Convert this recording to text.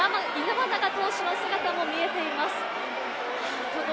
戸郷選手の姿も見えています。